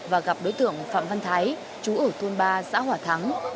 và gặp đối tượng phạm văn thái chú ở thôn ba xã hỏa thắng